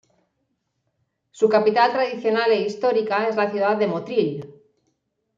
Su capital tradicional e histórica es la ciudad de Motril.